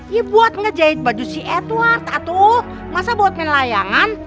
ya buat ngejahit baju si edward atau masa buat main layangan